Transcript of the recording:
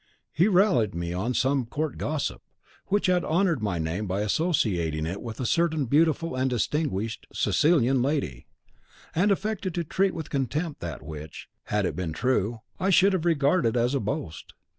He rallied me on some court gossip, which had honoured my name by associating it with a certain beautiful and distinguished Sicilian lady, and affected to treat with contempt that which, had it been true, I should have regarded as a boast.